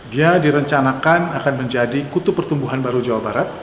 dia direncanakan akan menjadi kutub pertumbuhan baru jawa barat